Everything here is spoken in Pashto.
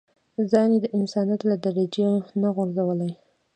ځان يې د انسانيت له درجې نه غورځولی.